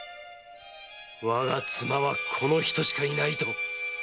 我が妻はこの人しかいないと！